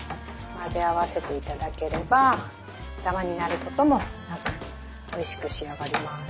混ぜ合わせて頂ければダマになることもなくおいしく仕上がります。